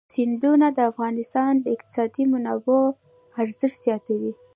سیندونه د افغانستان د اقتصادي منابعو ارزښت زیاتوي.